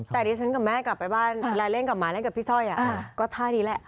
แต่ดิฉันกับแม่กลับไปบ้านเวลาเล่นกับหมาเล่นกับพี่สร้อยก็ท่านี้แหละ